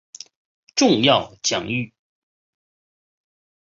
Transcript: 重要奖誉